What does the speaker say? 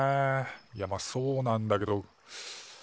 いやまあそうなんだけど。